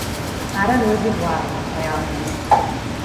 Ara no és igual, realment.